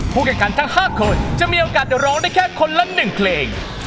ผู้กันกันทั้ง๕คนจะมีโอกาสจะร้องได้แค่คนละ๑เครง